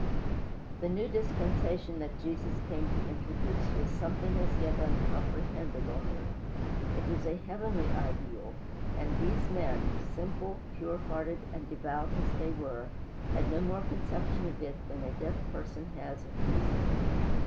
The new dispensation that Jesus came to introduce was something as yet uncomprehended on earth. It was a heavenly ideal, and these men simple, pure hearted, and devout as they were had no more conception of it than a deaf person has of music.